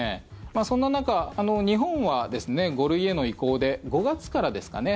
そんな中、日本は５類への移行で５月からですかね